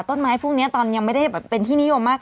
ต้นไม้พวกนี้ตอนยังไม่ได้เป็นที่นิยมมาก